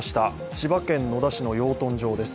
千葉県野田市の養豚場です。